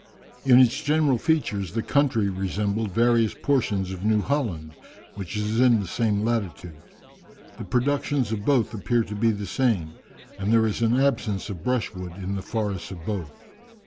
In its general features the country resembled various portions of New Holland, which is in the same latitude. The productions of both appear to be the same, and there is an absence of brushwood in the forests of both.